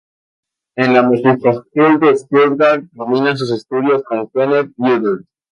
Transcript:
En la Musikhochschule de Stuttgart termina sus estudios con Kenneth Gilbert.